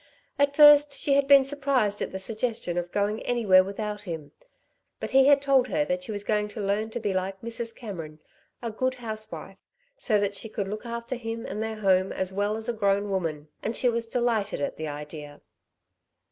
At first she had been surprised at the suggestion of going anywhere without him, but he had told her that she was going to learn to be like Mrs. Cameron a good housewife so that she could look after him and their home as well as a grown woman; and she was delighted at the idea.